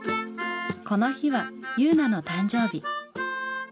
この日は汐凪の誕生日。